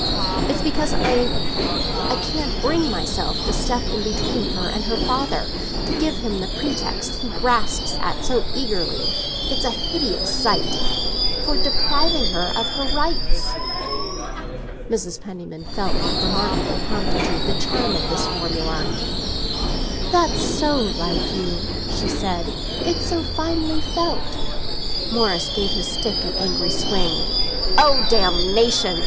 It's because I can't bring myself to step in between her and her father—to give him the pretext he grasps at—so eagerly (it's a hideous sight) for depriving her of her rights." Mrs. Penniman felt with remarkable promptitude the charm of this formula. "That's so like you," she said; "it's so finely felt." Morris gave his stick an angry swing. "Oh, botheration!"